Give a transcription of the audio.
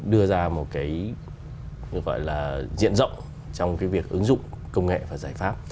đưa ra một cái gọi là diện rộng trong cái việc ứng dụng công nghệ và giải pháp